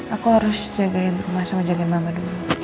aku harus jagain rumah sama jagain mama dulu